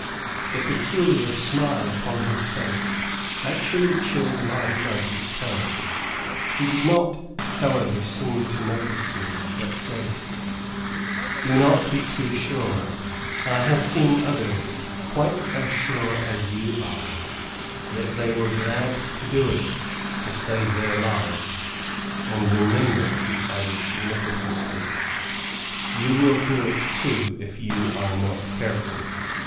The peculiar smile upon his face actually chilled my blood with terror. He did not, however, seem to notice me, but said, "Do not be too sure; I have seen others quite as sure as you are, yet they were glad to do it to save their lives; and remember," he added significantly, "you will do it too if you are not careful."